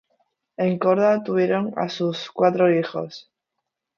En Córdoba tuvieron a sus cuatro hijos.